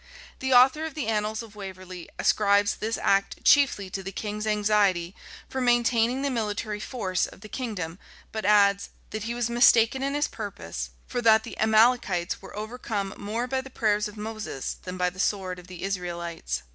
The author of the Annals of Waverley ascribes this act chiefly to the king's anxiety for maintaining the military force of the kingdom but adds, that he was mistaken in his purpose; for that the Amalekites were overcome more by the prayers of Moses than by the sword of the Israelites.